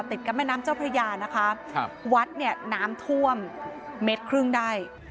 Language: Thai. ติดกับแม่น้ำเจ้าพระยานะคะวัดน้ำท่วม๑๕เมตรได้